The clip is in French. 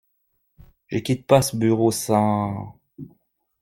Je quitte pas ce bureau sans…